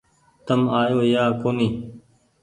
تم آيو يا ڪونيٚ